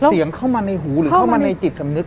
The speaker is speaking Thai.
เข้ามาในหูหรือเข้ามาในจิตสำนึก